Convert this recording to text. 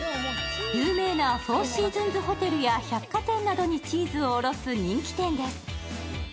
有名なフォーシーズンズホテルや百貨店などにチーズを卸す人気店です。